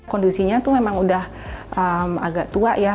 kondisinya tuh memang udah agak tua ya